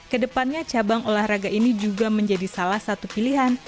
kedepannya cabang olahraga ini juga menjadi salah satu pilihan